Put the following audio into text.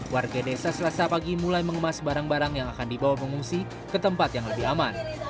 warga desa selasa pagi mulai mengemas barang barang yang akan dibawa pengungsi ke tempat yang lebih aman